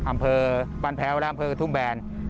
อำเภอบ้านแพ้วและอำเภอทุ่งแบน